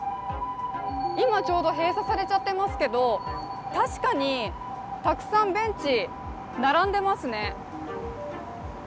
今ちょうど閉鎖されちゃってますけど、確かにたくさんベンチ並んでますね。